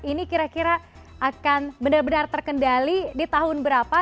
ini kira kira akan benar benar terkendali di tahun berapa